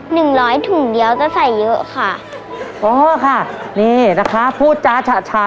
หนึ่งร้อยถุงเดียวจะใส่เยอะค่ะอ๋อค่ะนี่นะคะพูดจาฉะฉะ